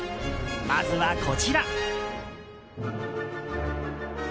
まずは、こちら！